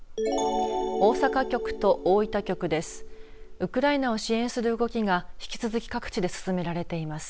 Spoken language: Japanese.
大阪局と大分局です。